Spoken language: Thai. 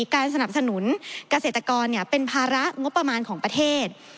การสนับสนุนเกษตรกรเป็นภาระงบประมาณของประเทศ